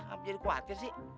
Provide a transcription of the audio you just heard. apa jadi khawatir sih